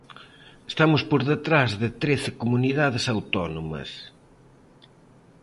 Estamos por detrás de trece comunidades autónomas.